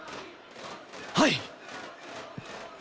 はい！